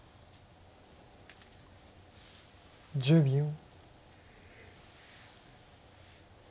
１０秒。